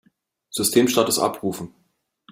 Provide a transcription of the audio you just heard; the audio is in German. Systemstatus abrufen!